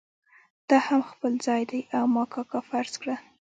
دا هم خپل ځای دی او ما کاکا فرض کړه.